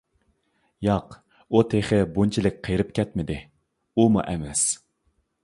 ياق، ئۇ تېخى بۇنچىلىك قېرىپ كەتمىدى، ئۇمۇ ئەمەس!